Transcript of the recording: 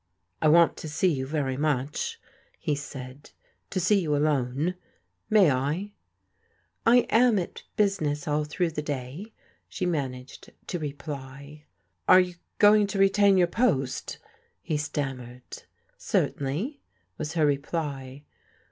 " I want to see you very much," he said, " to see you alone. May I ?"" I am at business all through the day/' she managed t^' reply. « u i PEGGY PLEADS WITH ELEANOE 377 "Are you going to retain yotir post?" he stammered. " Certainly," was her reply.